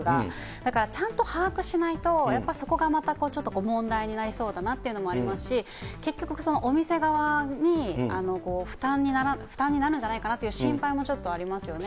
だからちゃんと把握しないと、やっぱりそこがまたちょっとこう問題になりそうだなっていうのもありますし、結局、お店側に負担になるんじゃないかなっていう心配もちょっとありますよね。